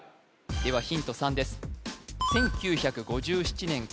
ではヒント３です